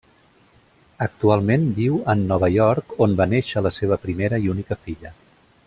Actualment viu en Nova York on va néixer la seva primera i única filla.